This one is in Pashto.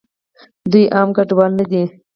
دوئ عام کډوال نه دي.